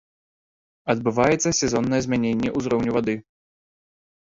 Адбываецца сезоннае змяненне ўзроўню вады.